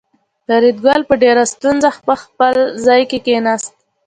فریدګل په ډېره ستونزه په خپل ځای کې کېناست